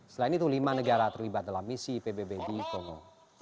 selain itu lima negara terlibat dalam misi pbb di kongo